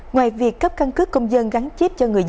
ngoài việc cấp căn cứ công dân gắn chip